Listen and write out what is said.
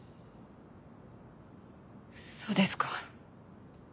そうですか。